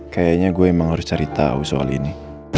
kayanya gue emang harus cari tau soal ini